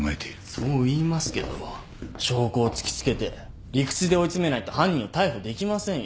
そう言いますけど証拠を突き付けて理屈で追い詰めないと犯人を逮捕できませんよ。